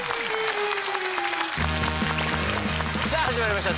さあ始まりました